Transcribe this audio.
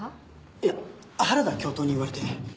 いや原田教頭に言われて。